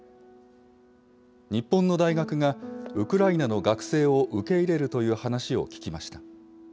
日本の大学がウクライナの学生を受け入れるという話を聞きました。